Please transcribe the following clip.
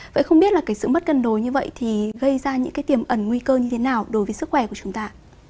vậy không biết sự mất cân đối như vậy gây ra những tiềm ẩn nguy cơ như thế nào đối với sức khỏe của chúng ta